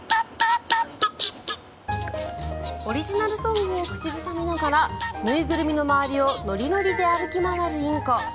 オリジナルソングを口ずさみながら縫いぐるみの周りをノリノリで歩き回るインコ。